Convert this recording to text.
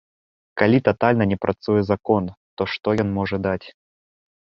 Калі татальна не працуе закон, то што ён можа даць?